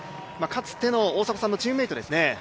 かつての大迫さんのチームメートですね。